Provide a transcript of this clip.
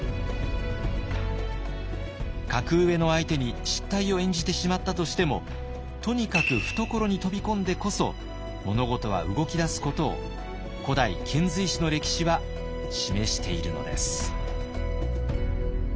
格上の相手に失態を演じてしまったとしてもとにかく懐に飛び込んでこそ物事は動き出すことを古代遣隋使の歴史は示しているのです。